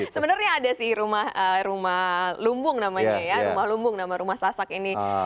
sebenarnya ada sih rumah lumbung namanya ya rumah lumbung nama rumah sasak ini